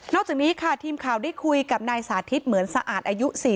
จากนี้ค่ะทีมข่าวได้คุยกับนายสาธิตเหมือนสะอาดอายุ๔๐